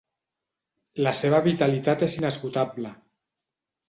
La seva vitalitat és inesgotable.